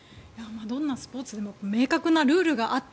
どんなスポーツでも明確なルールがあって